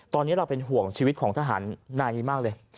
ตอนนี้เราเป็นห่วงชีวิตของทหารนายนี้มากเลย